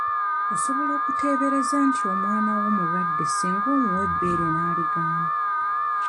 Osobola okuteebereza nti omwana wo mulwadde singa omuwa ebbeere n'aligaana.